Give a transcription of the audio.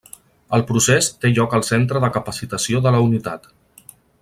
El procés té lloc al centre de capacitació de la unitat.